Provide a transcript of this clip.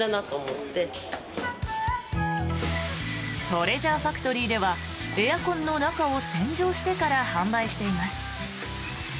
トレジャーファクトリーではエアコンの中を洗浄してから販売しています。